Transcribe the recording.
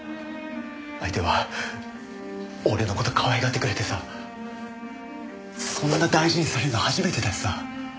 相手は俺の事可愛がってくれてさそんな大事にされるの初めてだしさ。